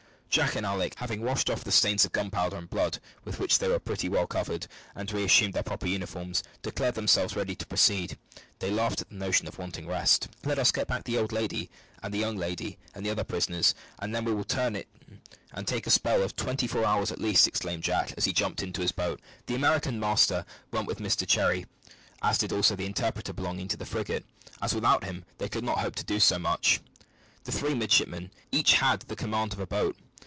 Jack and Alick, having washed off the stains of gunpowder and blood with which they were pretty well covered, and reassumed their proper uniforms, declared themselves ready to proceed. They laughed at the notion of wanting rest. "Let us get back the old lady, and the young lady, and the other prisoners, and then we will turn in and take a spell of twenty four hours at least," exclaimed Jack as he jumped into his boat. The American master went with Mr Cherry, as did also the interpreter belonging to the frigate, as without him they could not hope to do much. The three midshipmen had each the command of a boat.